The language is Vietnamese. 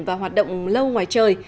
và hoạt động lâu ngoài trời